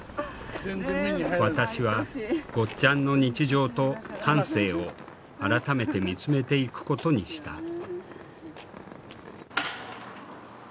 私はゴッちゃんの日常と半生を改めて見つめていくことにした。